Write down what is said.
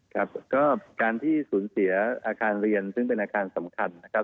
ครับก็การที่สูญเสียอาคารเรียนซึ่งเป็นอาคารสำคัญนะครับ